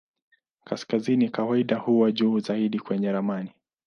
Kaskazini kawaida huwa juu zaidi kwenye ramani.